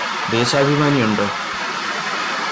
ദേശാഭിമാനിയുണ്ടോ